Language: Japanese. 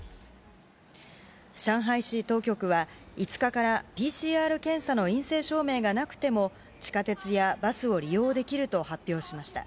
上海市当局は、５日からＰＣＲ検査の陰性証明がなくても、地下鉄やバスを利用できると発表しました。